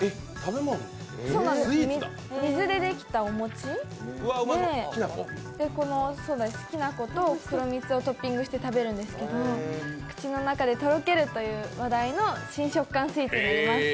水でできたお餅できな粉と黒蜜をトッピングして食べるんですけど口の中でとろけるという話題の新食感スイーツになります。